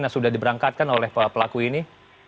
yang sudah diberangkatkan oleh pelaku ini